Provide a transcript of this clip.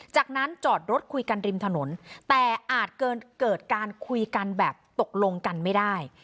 จากนั้นจอดรถคุยกันริมถนนแต่อาจเกิดการคุยกันแบบตกลงกันไม่ได้